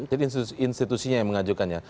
jadi institusinya yang mengajukannya